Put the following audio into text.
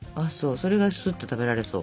それがすっと食べられそう？